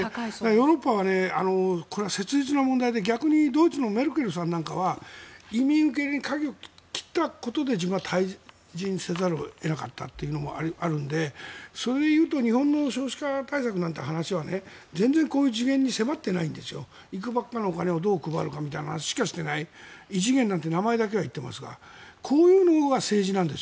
ヨーロッパはこれは切実な問題で逆にドイツのメルケルさんなんかは移民受け入れにかじを切ったことで、自分は退陣せざるを得なかったというのもあるのでそれで言うと日本の少子化対策というのは全然こういう次元に迫ってなくていくばくかのお金を配るかなんて話しかしていなくて異次元の対策だなんて名前だけ言っていますがこういうのが政治なんです。